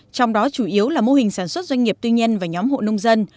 trong đó chủ yếu là mô hình sản xuất doanh nghiệp tuy nhiên và nhóm hộ nông dân